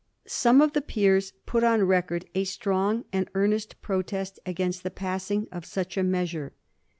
Some of the peers put on record a strong and earnest protest against the passing of such a measure.